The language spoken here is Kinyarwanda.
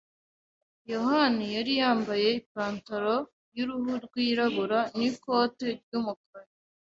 yohani yari yambaye ipantaro y'uruhu rwirabura n'ikoti ry'umukara.